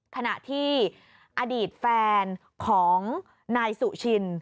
ขณะที่อดีตแฟนของนายสุชิน